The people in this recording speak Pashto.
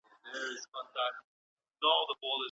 په لاس لیکل د تدریس د بریالیتوب تر ټولو ښکاره نښه ده.